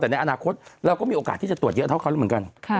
แต่ในอนาคตเราก็มีโอกาสที่จะตรวจเยอะเท่าเขาแล้วเหมือนกัน